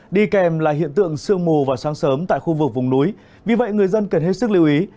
đi kèm là hiện tượng sương mù vào sáng sớm tại khu vực vùng núi vì vậy người dân cần hết sức lưu ý